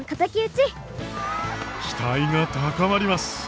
期待が高まります！